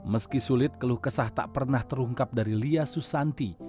meski sulit keluh kesah tak pernah terungkap dari lia susanti